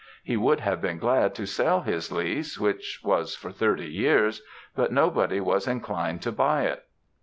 He would have been glad to sell his lease, which was for thirty years, but nobody was inclined to buy it.